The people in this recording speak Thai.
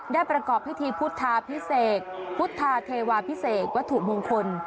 ประกอบพิธีพุทธาพิเศษพุทธาเทวาพิเศษวัตถุมงคล